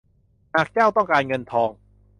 หากเจ้าต้องการเงินทอง